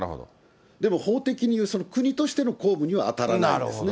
でも法的にいう国としての公務には当たらないんですね。